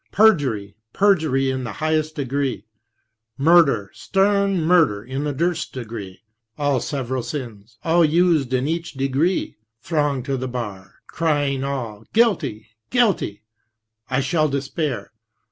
Perjury, perjury in the high'st degree ; Murder, stern murder, in the dir'st degree ; All several sins, all used in each degree, Throng to the bar, crying all, Guilty ! Guilty t / shall despair.